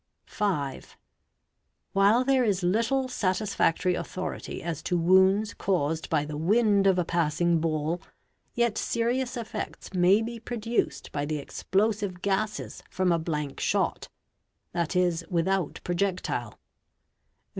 | 5. While there is little satisfactory authority as to wounds caused — by the wind of a passing ball, yet serious effects may be produced by the explosive gases from a blank shot, 7.e., without projectile.